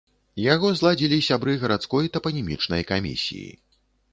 Яго зладзілі сябры гарадской тапанімічнай камісіі.